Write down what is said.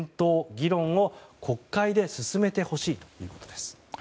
・議論を国会で進めてほしいということです。